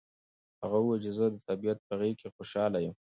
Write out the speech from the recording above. هغه وویل چې زه د طبیعت په غېږ کې خوشحاله یم.